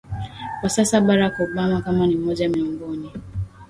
wa sasa Barack Obama kama Ni mmoja miongoni